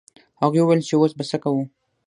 هغوی وویل چې اوس به څه کوو.